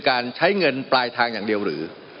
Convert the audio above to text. มันมีมาต่อเนื่องมีเหตุการณ์ที่ไม่เคยเกิดขึ้น